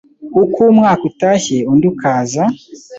Uko umwaka utashye, undi ukaza